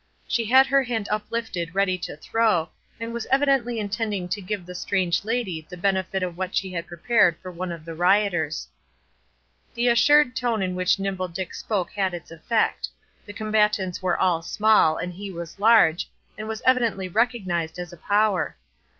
She had her hand uplifted ready to throw, and was evidently intending to give the strange lady the benefit of what she had prepared for one of the rioters. The assured tone in which Nimble Dick spoke had its effect; the combatants were all small, and he was large, and was evidently recognized as a power.